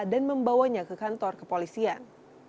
dan membawanya ke kantor kepolisian